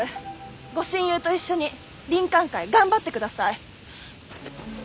ご親友と一緒に林肯会頑張ってください。